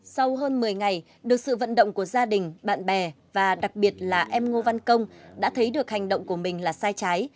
sau hơn một mươi ngày được sự vận động của gia đình bạn bè và đặc biệt là em ngô văn công đã thấy được hành động của mình là sai trái